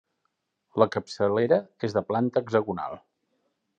La capçalera és de planta hexagonal.